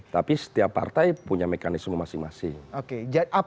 tapi setiap partai punya mekanisme masing masing